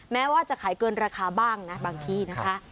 แม้ว่าจะขายเกินราคาบ้างนะบางที่นะคะ